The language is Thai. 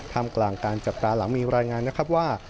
กลางการจับตาหลังมีรายงานนะครับว่า